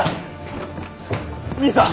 兄さん！